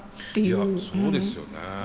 いやそうですよね。